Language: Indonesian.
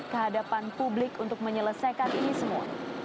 kehadapan publik untuk menyelesaikan ini semua